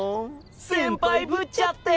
先輩ぶっちゃって。